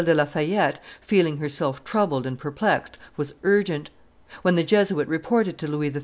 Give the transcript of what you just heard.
de La Fayette, feeling herself troubled and perplexed, was urgent. When the Jesuit reported to Louis XIII.